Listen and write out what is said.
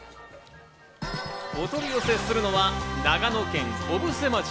お取り寄せするのは長野県小布施町。